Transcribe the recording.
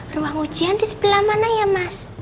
ruang ujian di sebelah mana ya mas